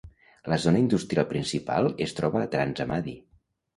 La zona industrial principal es troba a Trans Amadi.